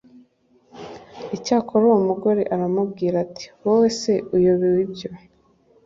Icyakora uwo mugore aramubwira ati wowe se uyobewe ibyo